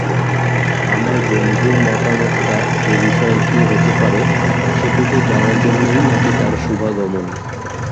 আমার বন্ধুর মতামতটা এ বিষয়ে কী হতে পারে সেটুকু জানার জন্যেই নাকি তার শুভাগমন।